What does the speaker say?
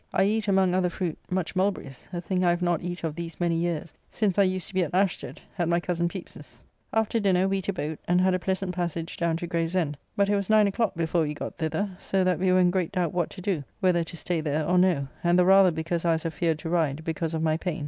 I eat among other fruit much mulberrys, a thing I have not eat of these many years, since I used to be at Ashted, at my cozen Pepys's. After dinner we to boat, and had a pleasant passage down to Gravesend, but it was nine o'clock before we got thither, so that we were in great doubt what to do, whether to stay there or no; and the rather because I was afeard to ride, because of my pain...